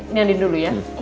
ini andien dulu ya